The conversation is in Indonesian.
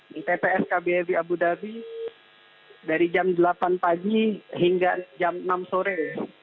di tps kbri abu dhabi dari jam delapan pagi hingga jam enam sore